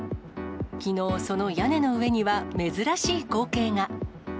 きのう、その屋根の上には珍しい光景が。